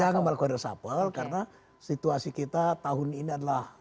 jangan melakukan resapel karena situasi kita tahun ini adalah